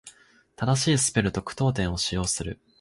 正しいスペルと句読点を使用する。